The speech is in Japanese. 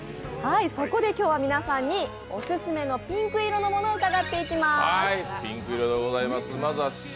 そこで今日は「オススメのピンク色の物」を伺っていきます。